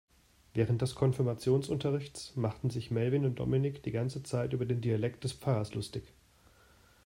Während des Konfirmationsunterrichts machten sich Melvin und Dominik die ganze Zeit über den Dialekt des Pfarrers lustig.